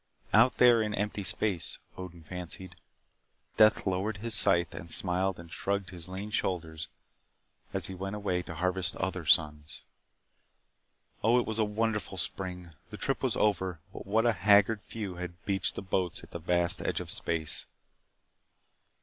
Out there in empty space, Odin fancied, Death lowered his scythe and smiled and shrugged his lean shoulders as he went away to harvest other suns. Oh, it was a wonderful spring. The trip was over, but what a haggard few had beached the boats at the vast edge of space!